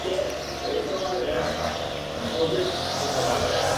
Al cuello solían rodearse un collar.